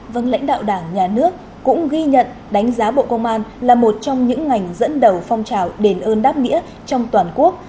vâng lãnh đạo đảng nhà nước cũng ghi nhận đánh giá bộ công an là một trong những ngành dẫn đầu phong trào đền ơn đáp nghĩa trong toàn quốc